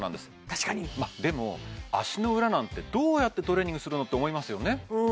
確かにでも足の裏なんてどうやってトレーニングするの？って思いますよね